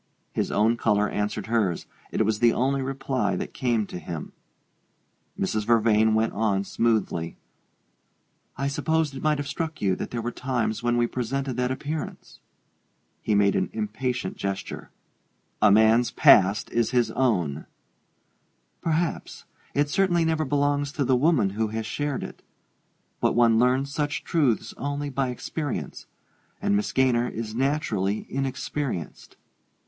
His own color answered hers: it was the only reply that came to him. Mrs. Vervain went on, smoothly: "I supposed it might have struck you that there were times when we presented that appearance." He made an impatient gesture. "A man's past is his own!" "Perhaps it certainly never belongs to the woman who has shared it. But one learns such truths only by experience; and Miss Gaynor is naturally inexperienced."